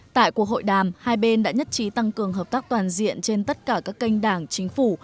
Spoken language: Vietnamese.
tại cuộc hội đàm hai bên đã nhất trí tăng cường hợp tác toàn diện trên tất cả các kênh đảng chính phủ